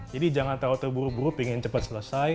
jadi jangan terburu buru pengen cepat selesai